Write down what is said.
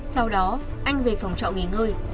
sau đó anh về phòng trọ nghỉ ngơi